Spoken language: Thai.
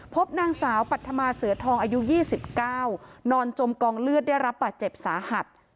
พบนางสาวปัธมาเสือทองอายุ๒๙นอนจมกองเลือดได้รับบาดเจ็บสาหัส